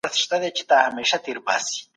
انسان اوسئ.